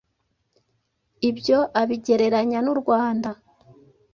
Ibyo abigereranya n’u Rwanda